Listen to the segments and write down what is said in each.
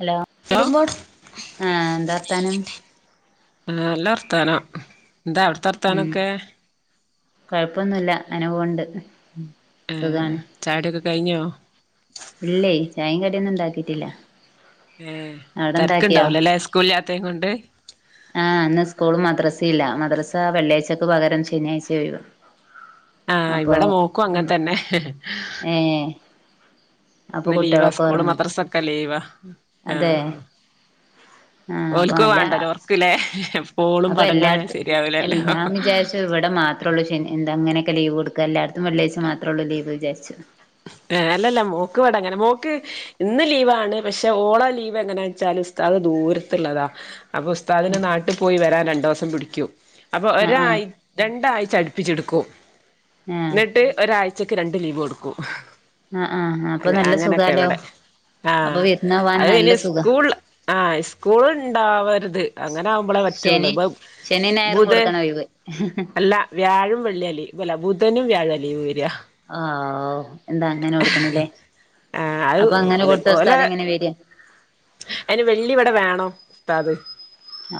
Hello ആഹ് എന്താ വർത്താനം നല്ല വർത്താനം ന്താ അവ്ട്ത്തെ ഉം വർത്താനൊക്കേ കൊഴപ്പൊന്നുല്ല അങ്ങനെ പോവ്ണ്ട്. ഉം ചായൊടി ഒക്കെ കഴിഞ്ഞോ ഇല്ലെ ചായ കടിയൊന്നും ഇണ്ടാക്കിയിട്ടില്ല. ഏഹ് തിരക്കുണ്ടാവൂലല്ലേ സ്കൂളില്ലാതേൻ കൊണ്ട്. ആഹ് അന്ന് സ്കൂളും മദ്രസയില്ല മദ്രസ വെള്ളിയാഴ്ചക്ക് പകരം ശനിയാഴ്ഒഴിവ്. [unintelligible] ആഹ് ഇവിടെ മോക്കും അങ്ങനെ തന്നെ. ഏഹ് അപ്പൊ ഇന്ന് ലീവാ കുട്ടികളൊക്കെ സ്കൂള് ഉറങ്ങ മദ്രറസക്കെ ലീവാ. അതെ ആഹ്. ആഹ് അപ്പൊ ഓൽക്ക് നല്ല വേണ്ടലൊ. ഓക്ക്ലെ അപ്പൊ എല്ലാട്തു. എല് ഞാ വിജാരിച്ചു ഇവടെ മാത്ര മാത്രൊള്ളു ശനി. ന്ത ഇങ്ങനൊക്കെ ലീവ് കൊടുക്ക. എല്ലാട്ത്തും വെള്ളിആഴ്ച്ച മാത്രൊള്ളു ലീവ് ജാരിച്ചു അല്ലല്ല മോക്ക വ്ടങ്ങനെ മോക്ക് ഇന്ന് ലീവാണ്. പക്ഷെ ഓളെ ലീവെങ്ങനെച്ചാല്. ഉസ്താദ് ദൂരത്ത്ള്ളതാ അപ്പൊ ഉസ്താദിന് നാട്ടി പോയി വരാൻ. രണ്ടൂസം പിടിക്കും. അപ്പൊ ആഹ് ഒരാ ആഹ് രണ്ടാഴ്ച അടുപ്പിച്ചെട്ക്കും. ആഹ് ന്ന്ട്ട് ഒരാഴ്ചക്ക് രണ്ട് ലീവ് കൊടുക്കും ആഹ് ആഹ് അപ്പൊ അങ്ങ നല്ല അങ്ങനൊക്കെ സുഖാല്ലൊ. ഇവിടെ ആഹ്. അത് അയിന്. സ്കൂള്. ആഹ് സ്കൂള്ണ്ടാവര്ത് അങ്ങനാവുമ്പളെ പറ്റൊള്ളു. ശനി ഇബ ശനി ഞായറും കൊടുക്കണൊഴിവ് അല്ല വ്യാഴം വെള്ളി അല്ലെ. അല്ല ബുധനും വ്യാഴ ലീവ് വര ആഹ്. എന്ത അങ്ങനൊട്ക്ക്ണ്ലെ ആഹ് അപ്പൊ അങ്ങനെ അത് കൊടുത്ത ഓലെ ഉസ്താദെങ്ങനെ വര? അയിന് വെള്ളിവടെ വേണം ഉസ്താദ്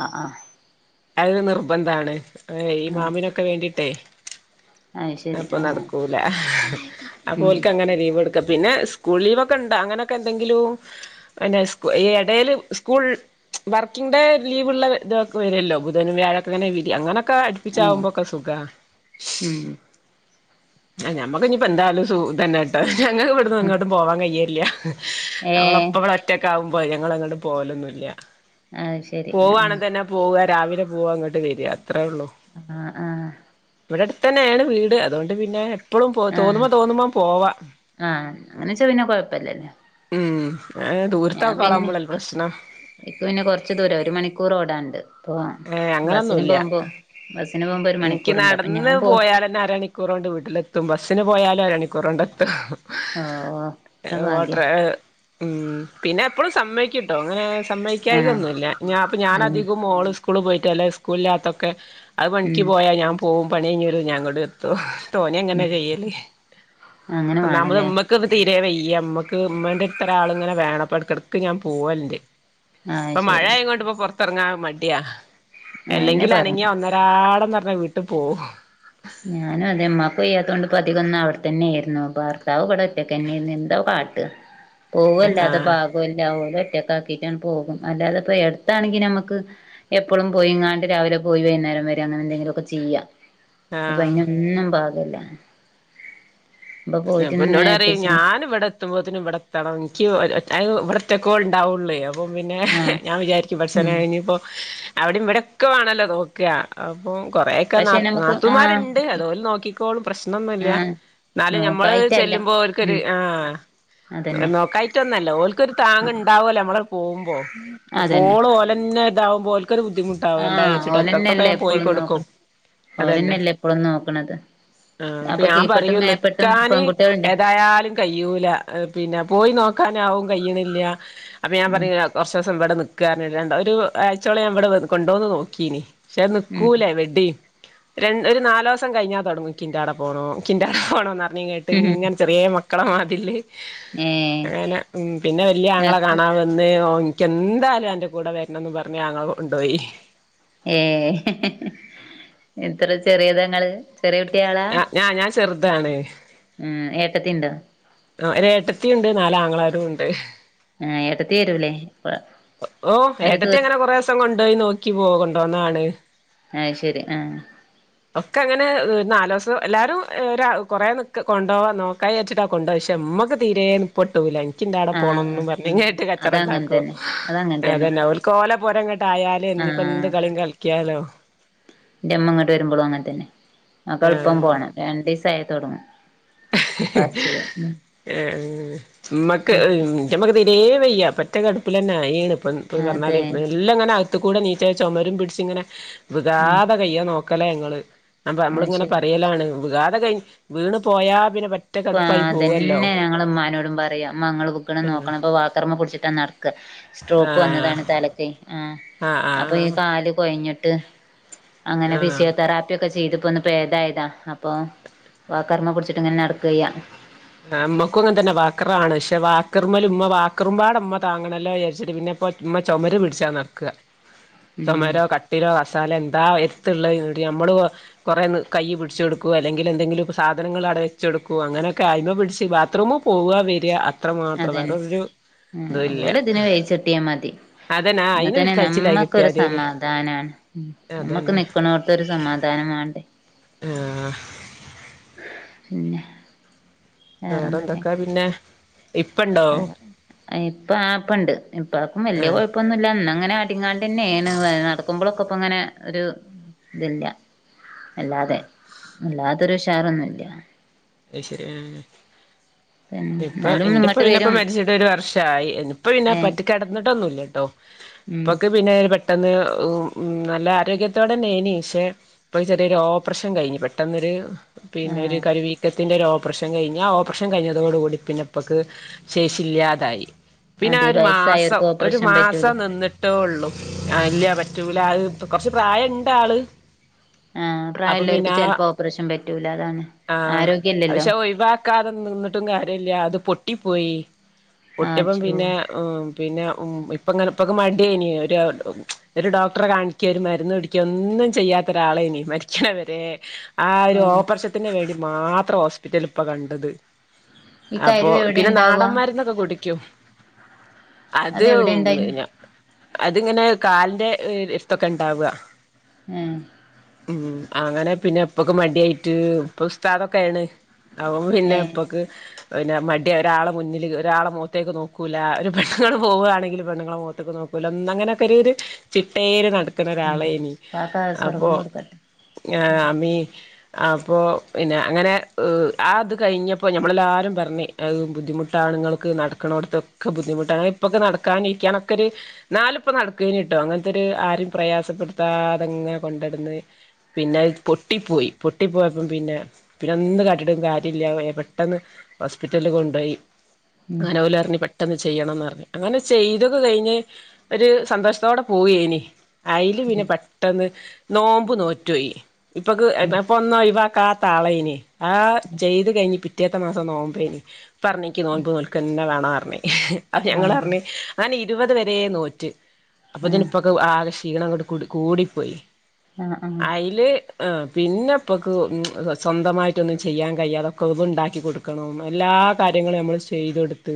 ആഹ് ആഹ് അത് നിർബന്ധാണ്. ഏയ് ആ ഇമാമിനൊക്കെ വേണ്ടിട്ടെയ് അത് ശരി അപ്പൊ ആ നട്ക്കൂല. ഉം അപ്പൊൽക്കങ്ങനെ ലീവൊട്ക്ക. പിന്നെ. സ്കൂൾ ലീവൊക്കെണ്ട് അങ്ങനൊക്കെ എന്തെങ്കിലു പിന്നെ സ്കൂ. ഈ എടേല് സ്കൂൾ വർക്കിംഗ് ഡേ ലീവ്ള്ള ഇതൊക്കെ വരൊല്ലൊ. ബുധനും വ്യാഴക്കൊങ്ങന വി അങ്ങനൊക്കെ ആ പിചാവുമ്പൊക്ക സുഖാ ഉം ആഞമ്മക്കിഞിപ്പൊ എന്തായാലും സൂ. ഇതന്നേട്ടൊ. ഞങക്ക് വ്ട്ന്ന് എങ്ങോട്ടും പോവാൻ കയ്യലില്ല ഏ അവളപ്പവ്ടെ ഒറ്റക്കാവുമ്പൊ ഞങ്ങളെങ്ങ്ടും. പോവലൊന്നുല്ല അത് ശരി ആ പോവാണെതന്നെ പോവ രാവിലെ പോവ ഇങ്ങ്ട്ട് വര. അത്രെള്ളു ആഹ് ആഹ് ഇവടെ അട്ത്തെന്നാണ് വീട്. അതുകൊണ്ട് പിന്നേ. പ്പളും പൊ. ആ തോന്നുമ്പ തോന്നുമ്പ പോവ ആ അങ്ങനെച്ചാ പിന്നെ കൊഴപ്പില്ലല്ലോ ഉം ആഹ്. ദൂരത്ത്ക്കാളാവുമ്പളല്ലെ പ്രശ്നം ഇക്ക് പിന്നെ കൊറച്ച് ദൂര. ഒര് മണിക്കൂറ് ഓടാണ്ട് പ്പോ. ഏ ബസ്സിന് അങ്ങനൊന്നുല്ല പോമ്പൊ. ബസ്സിന് പോമ്പൊ ഒരു മണിക്കൂറ്ണ്ട് അപ്പൊ ഞാൻ പോ ഇതന്നാരാണ് മണിക്കൂറോണ്ട് വീട്ട്ലെത്തും ബസ്സിന് പോയാലും അരണിക്കൂറോണ്ടെത്തും ഓ എത്ര ഭാഗ്യം ഓട്ടെ ഉം. പിന്നെപ്പളും സമ്മയ്ക്കുട്ടൊ. ഇങ്ങനാ ആഹ് സമ്മയ്ക്കായികന്നുല്ല. ഞാ അപ്പൊ ഉം ഞാനധികം മോള് സ്കൂളി പോയിട്ട് സ്കൂളില്കത്തൊക്കെ അത് പണിക്ക് ഉം പോയാ ഞാൻ പോവും. പണിഴിഞ്ഞരും ഞാൻ ഇങ്ങ്ടെത്തും തോന്നി അങ്ങനെ ഉം ചെയ്യല്. അങ്ങനെ ഒന്നാമത് വേണല്ലേ ഞമ് [unintelligible] തീരേ വെയ്യ. ഇമ്മക്ക് ഇമ്മന്റട്ത്തൊരാള്ങ്ങനെ വേണം. ഇപ്പൊ എടക്കെടക്ക് ഞാൻ പോവല്ണ്ട് ആഹ് ഇപ്പൊ മഴ ശരി ആയ കൊണ്ട് ഇപ്പോ പുറത്തിറങ്ങാ മടിയാ അയെന്നെ അല്ലെങ്കിൽ പറയണെ അനങ്ങിയ ഒന്നൊരാടന്ന് പറഞ്ഞാ വീട്ടിൽ പോവും ഞാനും അതേമ്ക്കയ്യാത്തത്ണ്ട് പ അതികൊന്ന് അവിടെത്തന്നെയ ആയിരുന്നു ഭർത്താവ് ഇവിടെ ഒറ്റയ്ക്ക തന്നെയയിരുന്നു എന്താ കാട്ട് പോവല്ലാതെ ആഹ് പാ ല്ല ഒറ്റക്കാക്കിട്ടൺ പോകും. അല്ലാതെ ഇപ്പട്ത്താണെങ്കി ഞമ്മക്ക്. എപ്പളും പോയിങ്ങാണ്ട് രാവിലെ പോയി വൈന്നേരം വര അങ്ങനെന്തെങ്കിലൊക്കെ ചെയ്യ ആഹ് പ്പയിനൊന്നും പാകല്ല ഇപ്പൊ അപൊ പോയിട്ടിന്ന് ഇന്നോടറീം എട്ടീസം ഞാന് വടെ എത്തുമ്പത്തിന് ഇവട്ത്തണം ഇന്ക്ക് അയ് ഇവടെ ഒറ്റക്കെൾണ്ടാവൊള്ളൊയ് അപ്പം പിന്നെ ആഹ് ഞാൻ വിചാരിക്കും ഉം പടച്ചോനെ ഇഞിപ്പൊ അവ്ടെ ഇവടൊക്കെ വേണലൊ നോക്ക അപ്പം കൊറേയൊക്കെ നാ പക്ഷെ നമുക്ക് നാത്തുമാര്ണ്ട് ആഹ് അതോല് നോക്കിക്കോളും പ്രശ്നൊന്നുല്ല ആഹ് ന്നാലും ഞമ്മള് നോക്കായിട്ടല്ല ചെല്ലുമ്പൊ ഓൽക്കൊര് ഉം ആഹ് അതന്നെ നോക്കായിട്ടൊന്നല്ല ഓല്ക്കൊരു താങ്ങ്ണ്ടാവൊലൊ മ്മളണ്ട് പോവുമ്പൊ അതന്നെ എപ്പോളും ഓ തന്നെ ഇതാവുമ്പോൾ ഒൽക്കെരു ബുദ്ധിമുടാവും ആഹ് എന്തായിവെച്ചിട്ട് ഇടക്കൊകെ ഓലന്നെല്ലേ ഞാൻ പോയി എപ്പളും കൊടുക്കും നോക്ക്ണ് അതന്നെ ഓലന്നെല്ലേ എപ്പളും നോക്ക്ണത് ആഹ അപ്പൊ ഞാൻ കീപ്പട്ടും പറയൂന്ന് മേപ്പട്ടും കാനി പെൺകുട്ടികളുണ്ട് ഏതായാലും കഴ്യൂല പിന്നെ പോയി നോക്കാനവും കഴ്യുന്നില്ല അപ്പം ഞാൻ ഉം പറഞ്ഞ കുറച്ച് ദിവസം എവിടെ നിക്കാ [unintelligible] ഒരു ആഴ്ചോളം ഞാൻ ഇവിടെ കൊണ്ടുവന്ന് നോക്കീന് പക്ഷെ ഉം നിക്കൂലേ വെഡി ര ഒരു നാലോസം കിഞ്ഞാൽ തുടങ്ങും ഇൻകിന്റെടെ പോണോ ഇൻകിന്റെടെ പോണോന്ന്റിഞ്ഞകി ഇങ്ങന ചെറിയ മക്കളെ മാതില് ഏഹ് അങ്ങനെ പിന്നെ വല്യ ആങ്ങളെ ഇങ്ങക്ക് കാണാവ ന്ന് ഓ എനിക്കെന്തായാലും അന്റെ കൂടെ വരണന്ന് പറഞ്ഞ് അങ്ങള കൊണ്ടുപോയി ഏ എത്ര ചെറിയതാങ്ങള് ചെറിയ കുട്ടികളാ ആ ഞാ ഞാൻ ചെറുതാണ് ഉം ഏട്ടത്തിണ്ടോ ഒരെട്ടത്തി ഉണ്ട് നാല ആംളാരും ഉണ്ട് ആ എടത്തി വരുംല്ലേ ഇപ്പ ഓ ഏട്ടത്തി അങ്ങനെ കൊറെേ ദിവസം കൊണ്ടുപോയി നോക്കി പോ കൊണ്ടോന്നാണ് ഐശെരി ആഹ് ഒക്കെ അങ്ങനെ നലോസം എല്ലാരും ഒരു കൊറെ നിക്ക കൊണ്ടോവാ നോക്കായി വെച്ചിട്ട കൊണ്ട പക്ഷെ ഉമ്മക്ക് തീരെ നിപ്പിടൂല എനിക്കിന്റൊവിടെ ആഹ് പോണണംന്നന്ന് പറഞ്ഞങ്ങട്ട് കച്ചറ അതങ്ങൻ ഉണ്ടാക്കും തന്നെ അതങ്ങൻ തന്നെ അതന്നെ അവ കോല പോരംങ്ങോട്ട ആായാലും ഇനിിപ്പോ ആഹ് എന്ത് കളിയും കളിക്കിയാലോ എന്റെ അമ്മ അങ്ങോട്ട് വരുമ്പോളും അങ്ങനെ തന്നെ ആൾക്ക് എളുപ്പം ആഹ് പോകണം രണ്ട് ദിവസ ആയ തുടങ്ങും ഏ ഉമ്മക്ക് [unintelligible] തീരെ വയ്യ പറ്റേ കടുപ്പിൽ തന്നെ ഈണ ഇപ്പ പറഞ്ഞ അതെ എല്ലാം ഇങ്ങനെ അകത്ത കൂടെ നീച്ച ചുമരും പിടിച്ചും ഇങ്ങനെ ഉം വിഗാതെ കയ്യ നോക്കലേ ഞങ്ങള് അപ്പ അത് നമ്മളിങ്ങനെ ശരി പറയലാണ് വിഗാതെ കഴി വീണുപോയാ പിന്നെ കടുപ്പായി പോവല്ലോ അതന്നെ ഞങ്ങ ഉ്മാനോടും പറയാ മ്മ ഇങ്ങൾ വുക്കണം ആഹ് നോക്കണം അപ്പൊ വാക്കർമ്മ പുടിച്ചിട്ടാ നടക്ക സ്ട്രോക്ക് ആഹ് വന്നതാണ് തലക്കൈ ആഹ ആഹ് അപ്പൊ ഈ ആഹ് കാല് കൊഴഞ്ഞിട്ട് അങ്ങനെ ആഹ് ഫിസിയോതെറാപ്പിയ ഒക്കെ ചെയ്തപ്പോ ഒന്ന് പേതായതാ അപ്പൊ വാക്കർമ്മ പുടിച്ചിട്ടിങ്ങനെ നടക്ക ഗയാ അമ്മക്കും അങ്ങെ തന്നെ വാക്കറ ആണ് പക്ഷെ വാക്കർമ്മൽ ഉമ്മ വാക്കറുമമ്പാട് അമ്മ താങ്ങണമല്ലോ വിയാരിച്ചിട്ട പിന്നെ [unintelligible] ഉമ്മ ചുമര പിടിച്ചാ നട്ക ഉം ചുമര ക പി മസാല എന്താ എത്തുള്ള ഇടെനമ്മള് കുറെ കൈ പിടിച്ചു കൊടുക്കുവോ അല്ലെങ്കിൽ എന്തങ്കിലുംപ്പോ സാധനങ്ങ അടവെച്ചെടുക്കോ അങ്ങനെ കായ്മ പിടിച്ച് ബാത്റൂം പോവവാ വരിക അത്ര മാത്രം വേറരു ആ അതുപോലെ ഇതിന് വേയിച്ചിട്ടിയ മതി അതന്നെ അയിന് എന്നാത്തന്നെ കഴിച്ചിലായി നമ്മക്കരു കിട്ടിയാതേനി സമാധാനമാണ് നമ്മുക്ക് അതന്നെ നിക്കണോ ഇതൊരു സമാധാനം വാണ്ടേ ആഹ് പിന്നെ വേറെന്തൊക്കെ വേറെന്തൊക്കാ പിന്നെ ഇപ്പണ്ടോ ഇപ്പ ആപ്പുണ്ട് ഇപ്പ ആർക്കും ആഹ് വലിയകുഴപ്പ ഇപ്പൊന്നുമല്ല അങ്ങനെ അടിങ്ങാണ്ട് തന്നെയെ നടക്കുമ്പോഴൊക്കെ ഇപ്പ അങ്ങനെ ഒരു ഇതില്ല അല്ലാതെ അല്ലാത്തൊരു ഷാറൊന്നുംല്ല ഐശെരി ആഹ് [unintelligible] ഇപ്പൊ ഇങ്ങട്ട് എന്റെപ്പഴെപ്പ വരും മരിച്ചിട്ട് ഒരു വർഷമായി ഇപ്പ പിന്നെ ഏ പറ്റി കിടന്നിട്ടൊന്നുമല്ലട്ടോ ഉം ഇപ്പൊക്ക് പിന്നെ പെട്ടെന്ന് ഉ ഉ നല്ല ആരോഗ്യത്തോടെന്നെ നി പക്ഷെ ഇപ്പൊ ചെറിയൊരു ഓപ്പറേഷൻ കഴിഞ്ഞു പെട്ടെന്നൊരു പിന്നെ ഒരു ആഹ് കരുവി ത്തിന്റെ ഒരു ഓപ്പറേഷൻ കഴിഞ്ഞു ആ ഓപ്പറേഷൻ കഴിഞ്ഞതോടു കൂടി പിന്നെപ്പൊക്ക് ശേഷില്ലാതായി പിന്നെ അതീ ഒരു മാസം വയസ്സായോർക്ക് ഒരു ഓപ്പറേഷൻ മാസം പറ്റൂലേ നിന്നിട്ട് ഇിട്ടേള്ളൂ ഇല്ല പറ്റൂല അത് കൊറച്ച് പ്രായം ഇണ്ട് ആള് ആഹ് പ്രായം അപ്പം ഉള്ളോർക്ക് പിന്നെ ആ ചിലപ്പോ ഓപ്റേഷൻ പറ്റൂല അതാണ് ആഹ് ആരോഗ്യ പക്ഷെ ഒഴിവാക്കാതെ നിന്നിട്ടും കാര്യമില്ല അത് പൊട്ടിപ്പോയി ഒട്ടിപ്പം ആച്ചോ പിന്നെ ഉം പിന്നെ ഉം ഇപ്പമരപ്പൊക്കെ മാറ്റി ഇനി ഒരു ഒരു ഡോക്ടറെ കാണിക്ക ഒരു മരുന്ന് പിട എനിക്ക് ഒന്നും ചെയ്യാത്ത ഒരാളെനി മരിക്കണവരെ ആഹ് ഒരു ഓപ്പറേഷത്തിന് വേണ്ടി മാത്രമാ ഹോസ്പിറ്റൽ ഇപ്പൊ കണ്ടത് ഈ അപ്പൊ കരു എവിടെ പിന്നെ ഉണ്ടാവുക നാടൻമരുന്നൊക്കെ കുടിക്കൂം അത് അതെവിടെ ഉണ്ടായിന് പിന്നെ അതിങ്ങനെ കാലിന്റെ വേരി അതൊക്കെ ഉണ്ടാവുക ഏ ഉം അങ്ങനെ പിന്നെ ഉപ്പക്ക് മടിയായിട്ട് ഇപ്പ ഉസ്താദൊക്കെയ ആണ് അവൻ പിന്നെ ഏ ഉപ്പക്ക് പിന്നെ മടിയ ഒരാളെ മുന്നിൽ ഒരാളെ മുഖത്തേക്ക് നോക്കൂല്ല ഒരു പെണുങ്ങൾ പോവുകവാണെങ്കിൽ പെണ്ണുങ്ങളെ മുഖത്തേക്ക് നോക്കൂ അങ്ങനെക്കെ ഒരു ഒരു ചിട്ടേല്ല് നടക്കും അങ്ങനെ ഉം ഒരാളനി കാക്ക അപ്പൊ സ്വർഗം കൊടുക്കട്ടെ ഏ അമ്മീ അപ്പോൾ പിന്നെ അങ്ങനെ ആ അത് കഴിഞ്ഞപ്പോൾ നമ്മളെല്ലാവരും പറഞ്ഞ് അത് ബുദ്ധിമുട്ടാണ് നിങ്ങൾക്ക് നടക്കണോടത്ത് ഒക്കെ ബുദ്ധിമുട്ടാണ് ഇപ്പൊക്കെ നടക്കാനിരിക്കാനൊക്കെ ഒരു നാലിപ്പ നടക്കനി അങ്ങനത്തെ ഒരു ആരും പ്രയാസപ്പെടുത്താതെങ്ങെ കൊണ്ടടന്ന് പിന്നെ പൊട്ടിപ്പോയി പൊട്ടി പോയപ്പം പിന്നെ പിന്നെ ഒന്ന് കാട്ടീട്ടും കാര്യം ഇല്ലാതായി പെട്ടെന്ന് ഹോസ്പിറ്റലിൽ കൊണ്ടുപോയി ഉം അങ്ങനെ ഓല് അറിഞ്ഞ് പെ പെട്ടെന്ന് ചെയ്യണം എന്ന് പറഞ്ഞ് അങ്ങനെ ചെയ്തത് കഴിഞ്ഞ് അവര് സന്തോഷത്തോടെ പോയിനി അതിൽ പിന്നെ പെട്ടെന്ന് നോമ്പ് നോറ്റുപോയി ഉം ഇപ്പൊക്ക്പ്പ ഒന്ന് ഒഴിവാക്ക താളേനെ ആഹ് ചെയ്ത് കഴിഞ്ഞ് പിറ്റേത്ത മാസം നോമ്പേന് പറഞ്ഞിക്ക് നോമ്പ് വേണന്ന്‌ പറഞ്ഞ് ഞങ്ങള് ആഹ് പറഞ്ഞ് അങ്ങനെ ഇരുപത് വരെ നോറ്റു അപ്പോത്തേന് ആഹ് ഇപ്പൊ ആകെ ക്ഷീണം അങ്ങോട്ട് കൂടികൂടിപ്പോയി ആഹ് ആഹ് അയില് ആഹ് പിന്നെപ്പൊക്ക് സ്വന്തമായിട്ടൊന്നും ചെയ്യാൻ കഴിയാതെ അതൊക്കെ ഇത്ണ്ടാക്കി കൊടുക്കണം എല്ലാ കാര്യങ്ങളും നമ്മൾ ചെയ്ത് കൊടുത്ത്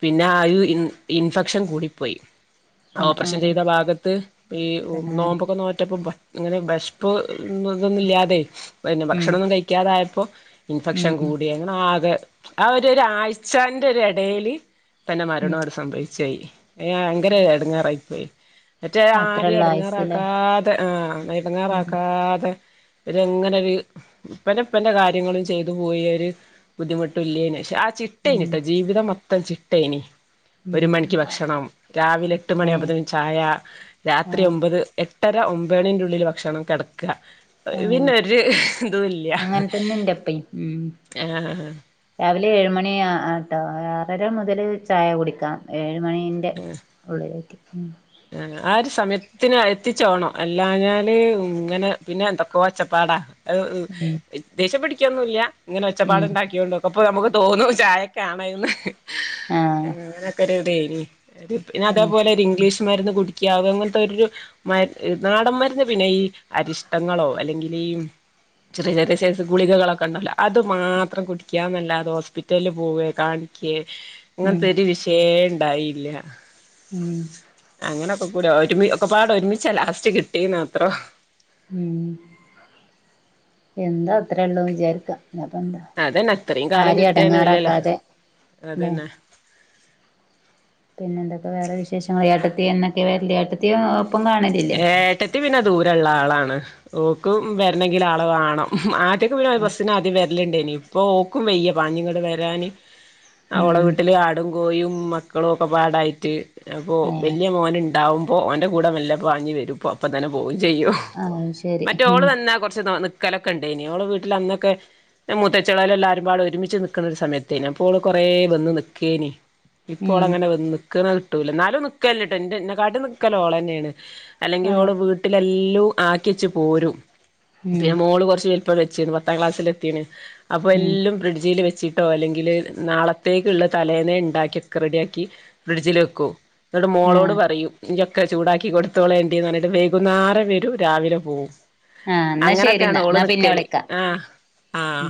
പിന്നെ ആഹ് ഒരു ഇൻ ഇൻഫെക്ഷൻ കൂടിപ്പോയി ആഹ് ഓപ്പറഷൻ ആഹ് ചെയ്ത ഭാഗത്ത് ഈ തന്നെ നോമ്പൊക്കെ നോറ്റപ്പോ ഭ അങ്ങനെ ഭഷ് ഇപ്പോ ഇതൊന്നും ഇല്ല്യാതെ പിന്നെ ഉം ഭക്ഷണൊന്നും കഴിക്കാതായപ്പോ ഉം ഇൻഫെക്ഷൻ കൂടിയ ഇങ്ങനെ ആകെ ആഹ് ഒരു ഒര് ഒരാഴ്ചന്റെ ഒരടേല് തന്നെ ഉം മരണോട് സംഭവിച്ചയി ഭയങ്കര എടങ്ങേറായിപ്പോയി മറ്റേ ആരെയും അത്രയുള്ള ആയുസ്സല്ലേ എടുങ്ങെറാക്കാതെ ആഹ് ഉം ഇടങ്ങെറാക്കാതെ രുങ്ങനെരു ഉപ്പൻ്റെപ്പന്റെ കാര്യങ്ങള് ചെയ്തു പോയി ഒരു ബുദ്ധിമുട്ടുല്ലേന്ന് ക്ഷെ ആഹ് ചി ഉം ചിട്ടേനിട്ടോ ജീവിതം മൊത്തം ചിട്ടേനി ഒരു ഉം മണിക്ക് ഭക്ഷണം രാവിലെ എട്ട് ഏ മണിയാകുപോത്ന് ചായ രാത്രി ആഹ് ഒമ്പത് എ എട്ടര ഒമ്പണീൻ്റെ ഉള്ളിൽ ഭക്ഷണം കിടക്കുക ആഹ് പിന്നെ ഒരു ഇതും ഇല്ല അങ്ങനെ തന്നെ ഇണ്ട് ഇപ്പയി ഉം ആഹ് രാവിലെ ഏഴുമണിയ ആട്ടോ ആറര മുതൽ ചായ കുടിക്കാം ഏഴുമണി ന്റെ ഉള്ളിലേക്ക് ഉം ആഹ് ഒരു സമയത്തിന് എത്തിച്ചോണം അല്ലഞ്ഞാല് ഇങ്ങനെ പിന്നെ എന്തൊക്കോ ഒച്ചപ്പാടാ ഉം ഉം ദേഷ്യം പിടിക്കൊന്നുല്ല്യ ങ്ങനെ ഉം ഒച്ചപ്പാട്ണ്ടാക്കിയൊണ്ടും അപ്പൊ നമുക്ക് തോന്നും ചായക്കാണെയ്ന്ന് ആഹ് അങ്ങനക്കെരുതെയ് നു ഒരു പിന്നെ അതേപോലെ ഒരു ഇംഗ്ലീഷ്മാരുന്ന് കുടിക്കിയാ തെ അങ്ങനത്തെ ഒരു മര് അ് നാടൻ മരുന്ന് പിന്നെ ഈ അരിഷ്ടങ്ങളോ അല്ലെങ്കി ഈ ചെറിയ ചെറിയ സൈസ് ഗുളിഗ കളൊക്കെ ണ്ടല്ലോ അത് മാത്രം കുടിക്കാന്നല്ലാതെ ഹോസ് റ്റല് പോവ കാണിക്കേ ഉം അങ്ങൻത്തെ ഒരു വിഷയെ ഇണ്ടായില്ല ഉം അങ്ങനെക്കെ ഒക്കൂല ഒരുമിച്ച് ഒക്കെ പാട് ഒരുമിച്ചല്ല ലാസ്റ്റ് കിട്ടീന് മാത്രം ഉം എന്താ അത്രയള്ളുന്ന് വിചാരിക്ക അത് എന്താ അതന്നെ അത്രയും കാലം ആരേയും കിട്ടിയന്നെ വല്യല്ലേ എടങ്ങേറാക്കാതെല്ലെ. അതന്നെ പിന്നെ എന്തൊക്കെ വേറെ വിശേഷങ്ങ ഏട്ടത്തിഎന്നൊക്കെ വല്യയേട്ടത്തിയെ ഒപ്പം കാണ ഏട്ടത്തി പിന്നെ ദൂരള്ള ആളാണ് ഓക്കും വരണെങ്കിൽ ആള് വേണം ആ ഒറ്റക്ക് ബസ്സിന് ആദ്യം വരലുണ്ടാന് ഇപ്പം ഓക്കും വയ്യ പാഞ്ഞുങ്ങൂടെ വരാന് അവളെ ഉം വീട്ടില് ആടും കോഴിയും മക്കളും ഒക്കെ പാടായിട്ട് അപ്പോ ഏഹ് വലിയ മോനുണ്ടാവും ഓൻ്റെ കൂടെ വല്ല പാഞ്ഞ് വരും പ്പ അപ്പൊ തന്നെ പോകും ചെയ്യും അത് ശരി മറ്റ ഓള് ഉം തന്നെ കുറച്ച് ത നിർ നിക്കലൊക്ക ഉണ്ടേന്നു ഓള്ടെ വീട്ടിൽ അന്നൊക്കെ മൂത്തച്ചികള് എല്ലാവാരും പാട് ഒരുമിച്ച് നൽക്കുന്ന ഒരു സമയത്തെ ഓള് കുറേ വന്ന് നിക്കേ നി ഇപ്പോ അവള് ഉം അങ്ങനെ വന്ന് നിക്കണ കിട്ടൂല എന്നാലും നിൽക്കല്ലട്ടേ എന്റെ എന്നെ കാട്ടിൽ നിക്കല് ഓള്ന്നെയാണ് തന്നെയാണ്. അല്ലെങ്കി ആഹ് ഓള് വീട്ടിലെലു ആക്കി വെച്ച് പോരും ഉം പിന്നെ മോള് കുറച്ച് കഴി ഇപ്പം വെചീന് പത്താം ക്ലാസ്സിൽ എത്തിണ് അപ്പൊ ഉം എലും ഫ്രിഡ്ജിൽ വെച്ചി ട്ടോ അല്ലെങ്കിൽ നാളത്തേക്ക് ഉള്ള തലേന്നേ ഉണ്ടാക്കി ക്കെ റെഡിയാക്കി ഫ്രിഡ്ജിൽ വെക്കും. എന്നട്ട് മോളോട് ആഹ് പറയും ഇനിക്കെ ചൂടാക്കി കൊടു മൂത്തോള എണ്ടീന്ന് പറഞ്ഞട്ട് വൈകുന്നേരം വെരും ന രാവിലെ പോക്കും. ആഹ് എന്നാ ശരി അങ്ങനൊക്കെയാണ് എന്നാ ഓള് എന്നാ പിന്നെ നിക്കല് വിളിക്കാം അ്ഹ. ഉം